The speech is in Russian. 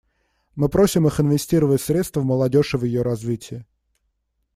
Мы просим их инвестировать средства в молодежь и в ее развитие.